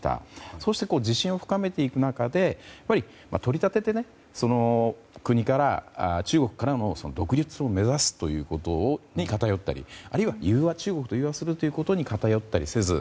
そうして自信を深めていく中で取り立てて中国からの独立を目指すということに偏ったりあるいは中国に融和するということに偏ったりせず。